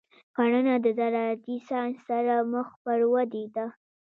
کرنه د زراعتي ساینس سره مخ پر ودې ده.